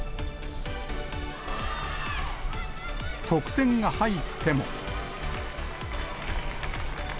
得点が入っても。